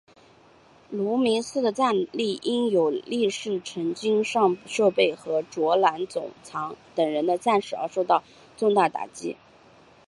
芦名氏的战力因有力家臣金上盛备和佐濑种常等人的战死而受到重大打击。